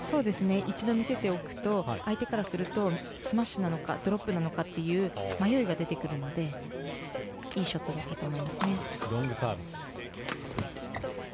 一度見せておくと相手からするとスマッシュなのかドロップなのかという迷いが出てくるのでいいショットだと思います。